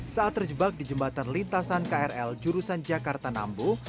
saat terjebak di jembatan lintasan krl jurusan jakarta nambo